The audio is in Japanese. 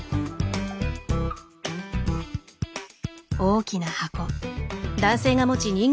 大きな箱。